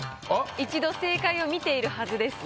一度正解を見ているはずです。